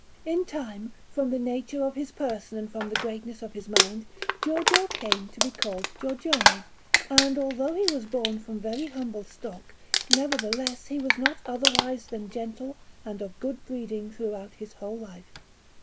In time, from the nature of his person and from the greatness of his mind, Giorgio came to be called Giorgione; and although he was born from very humble stock, nevertheless he was not otherwise than gentle and of good breeding throughout his whole life.